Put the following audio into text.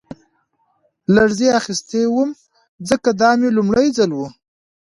لړزې اخیستی وم ځکه دا مې لومړی ځل و